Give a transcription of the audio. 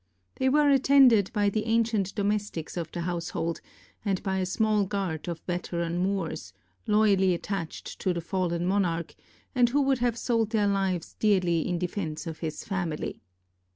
They were attended by the ancient domestics of the household, and by a small guard of veteran Moors, loyally attached to the fallen monarch, and who would have sold their lives dearly in defense of his family.